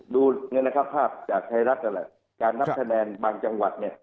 ดูภาพจากไทยรัฐก็แหละการนับแสดงบางจังหวัด